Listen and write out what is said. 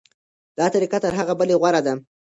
دا طریقه تر هغې بلې غوره ده.